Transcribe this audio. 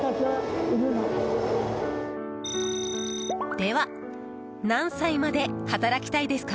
では何歳まで働きたいですか？